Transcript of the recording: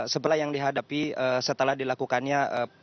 sebelah yang dihadapi setelah dilakukannya